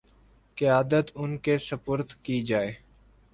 قیادت ان کے سپرد کی جائے